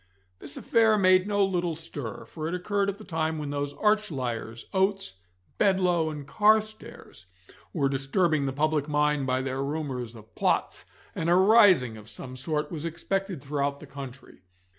This affair made no little stir, for it occurred at the time when those arch liars, Oates, Bedloe, and Carstairs, were disturbing the public mind by their rumours of plots, and a rising of some sort was expected throughout the country.